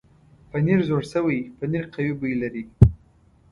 پنېر زوړ شوی پنېر قوي بوی لري.